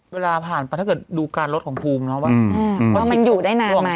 เวลาผ่านมาถ้าเกิดดูการลดของภูมินะว่า